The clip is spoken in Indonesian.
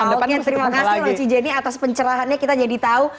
oke terima kasih mbak ci jenny atas pencerahannya kita jadi tau